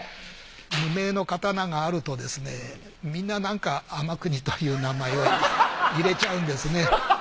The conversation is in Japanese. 無銘の刀があるとみんななんか天國という名前を入れちゃうんですね。